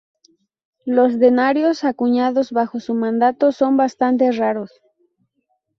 Los denarios acuñados bajo su mandato son bastante raros.